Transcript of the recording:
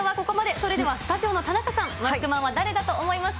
それではスタジオの田中さん、マスクマンは誰だと思いますか？